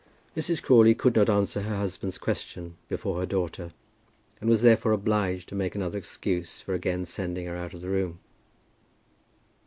Mrs. Crawley could not answer her husband's question before her daughter, and was therefore obliged to make another excuse for again sending her out of the room.